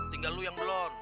tinggal lu yang belon